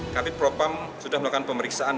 kami propam sudah melakukan pemeriksaan